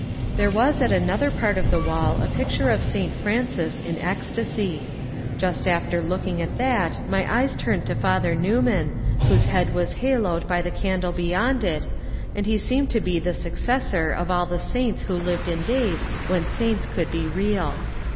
There was at another part of the wall a picture of St Francis in ecstacy. Just after looking at that my eyes turned to Father Newman, whose head was haloed by the candle beyond it, and he seemed to be the successor of all the saints who lived in days when saints could be real.